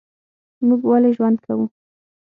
موږ ولي ژوند کوو؟